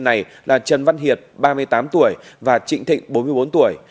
nhân thân này là trần văn hiệt ba mươi tám tuổi và trịnh thịnh bốn mươi bốn tuổi